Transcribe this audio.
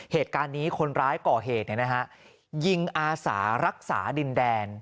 เหตุการณ์นี้คนร้ายก่อเหตุยิงอาสารักษาดินแดน